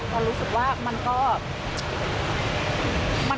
คุยเขารู้กับเอ้อไทยอายกรเป็นไง